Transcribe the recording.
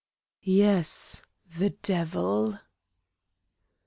"Yes. The devil!"